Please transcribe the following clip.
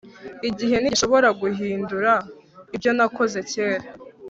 igihe ntigishobora guhindura ibyo nakoze kera